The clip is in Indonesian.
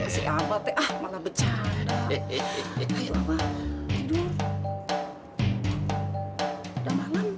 si abah tuh malah bercanda